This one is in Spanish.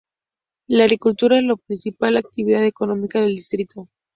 La agricultura es la principal actividad económica del distrito.